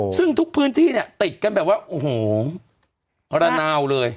ซึ่งทุกพื้นที่เนี่ยติดกันแบบว่าโอ้โหระนาวเลย